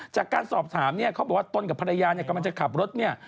จากการสอบถามเนี่ยเขาบอกว่าตนกับภรรยาเนี่ยกำลังจะขับรถเนี่ย